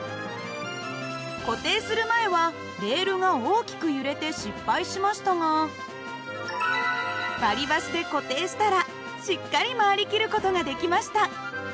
固定する前はレールが大きく揺れて失敗しましたが割り箸で固定したらしっかり回りきる事ができました。